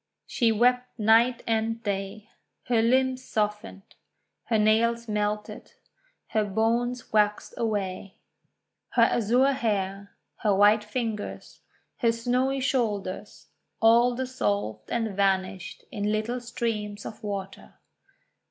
She wept night and day. Her limbs softened. Her nails melted. Her bones waxed away. Her 148 THE WONDER GARDEN azure hair, her white fingers, her snowy shoulders, all dissolved and vanished in little streams of water.